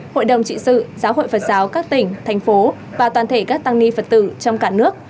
hội đồng trị sự giáo hội phật giáo các tỉnh thành phố và toàn thể các tăng ni phật tử trong cả nước